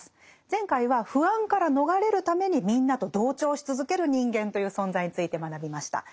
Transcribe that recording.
前回は不安から逃れるためにみんなと同調し続ける人間という存在について学びました。